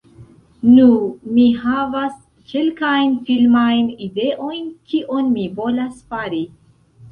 Nu, mi havas kelkajn filmajn ideojn kion mi volas fari